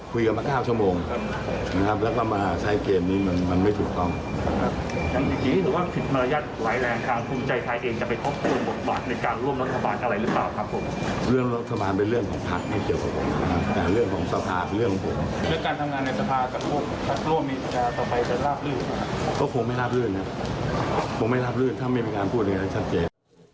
ก็คงไม่รับลื่นคงไม่รับลื่นถ้าไม่เป็นการพูดอย่างนั้นชัดเจน